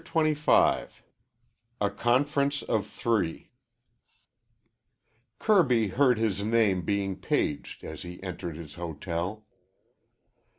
CHAPTER XXV A CONFERENCE OF THREE Kirby heard his name being paged as he entered his hotel.